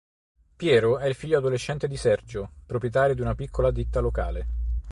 Piero è il figlio adolescente di Sergio, proprietario di una piccola ditta locale.